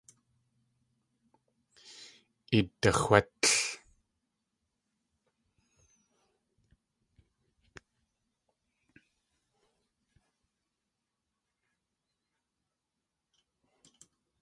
Idaxwétl!